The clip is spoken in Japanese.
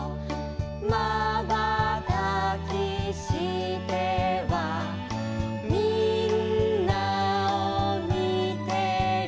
「まばたきしてはみんなをみてる」